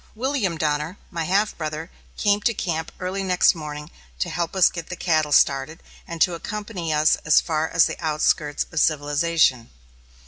William Donner, my half brother, came to camp early next morning to help us to get the cattle started, and to accompany us as far as the outskirts of civilization.